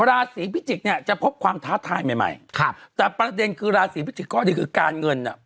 ราศีพิจิกจะพบความท้าทายใหม่แต่ประเด็นคือราศีพิจิกก้อนดีคือการเงิน